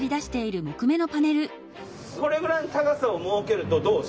これぐらいの高さを設けるとどう？